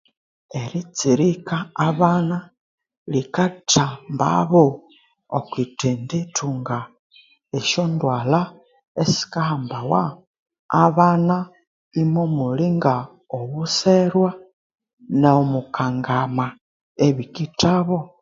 Eritsirika abana likathambabo okwithendithunga esyondwalha esikahambawa abana imwamulinga obuserwa no mukangama ebikithabo